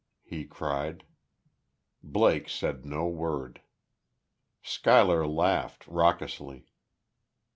he cried. Blake said no word. Schuyler laughed, raucously.